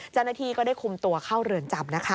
เจ้าหน้าที่ก็ได้คุมตัวเข้าเรือนจำนะคะ